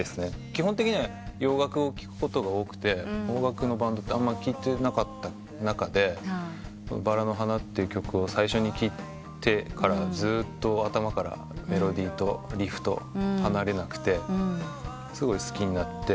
基本的には洋楽を聴くことが多くて邦楽のバンドってあんま聴いてなかった中で『ばらの花』っていう曲を最初に聴いてからずっと頭からメロディーとリフと離れなくてすごい好きになって。